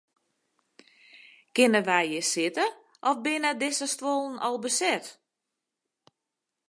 Kinne wy hjir sitte of binne dizze stuollen al beset?